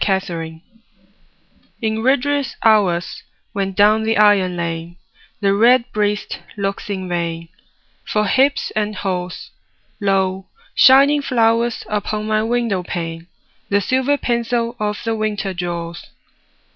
XVII—WINTER In rigorous hours, when down the iron lane The redbreast looks in vain For hips and haws, Lo, shining flowers upon my window pane The silver pencil of the winter draws.